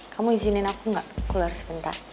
kamu izinin aku nggak keluar sebentar